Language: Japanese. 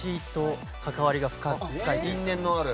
因縁のある。